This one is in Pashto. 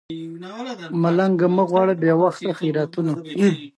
میس فرګوسن: 'pan encore' چې په دې مانا چې لا نه دي.